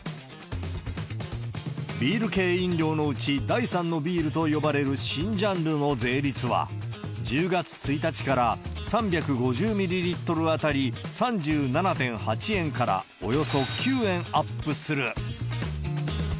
ビール系飲料のうち、第３のビールと呼ばれる新ジャンルの税率は、１０月１日から３５０ミリリットル当たり３７．８円からおよそ９円アップする。